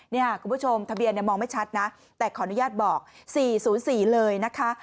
คุณผู้ชมทะเบียนมองไม่ชัดนะแต่ขออนุญาตบอก๔๐๔เลยนะคะ